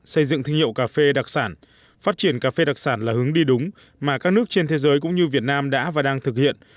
xây dựng thương hiệu cà phê đặc sản phát triển cà phê đặc sản là hướng đi đúng mà các nước trên thế giới cũng như việt nam đã và đang thực hiện